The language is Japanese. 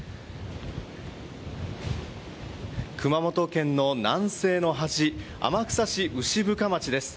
熊本県の南西の端天草市牛深町です。